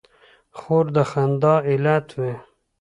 خور د خندا علت وي.